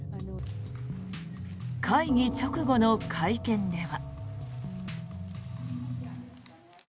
会議直後の会見では。